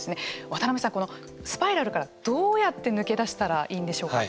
渡辺さん、このスパイラルからどうやって抜け出したらいいんでしょうか。